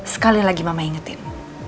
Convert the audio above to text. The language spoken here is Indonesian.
sekali lagi mama ingetin